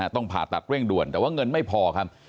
ต้องผ่าตัดเร่งด่วนแต่ว่าเงินไม่พอครับ